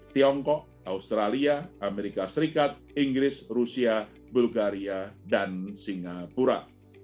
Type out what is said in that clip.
tiongkok australia amerika serikat inggris rusia bulgaria dan singapura